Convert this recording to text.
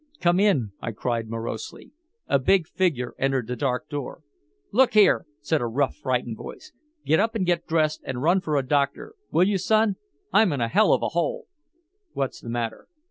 "Come in," I cried morosely. A big figure entered the dark room. "Look here," said a rough frightened voice. "Get up and get dressed and run for a doctor. Will you, son? I'm in a hell of a hole!" "What's the matter!"